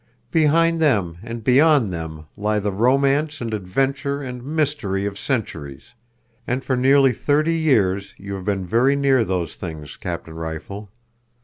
"Behind them and beyond them lie the romance and adventure and mystery of centuries, and for nearly thirty years you have been very near those things, Captain Rifle.